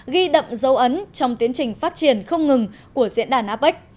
ghi đậm dấu ấn trong tiến trình phát triển không ngừng của diễn đàn apec